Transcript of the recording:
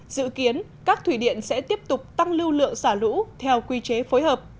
dự kiến các thủy điện sẽ tiếp tục tăng lưu lượng xả lũ theo quy chế phối hợp